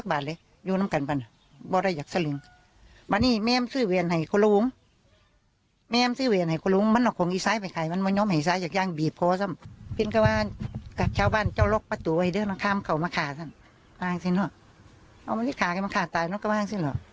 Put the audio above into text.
กลมกันบ้านนะไม่ได้อยากสร้างมานี่แม่มมันให้คุณ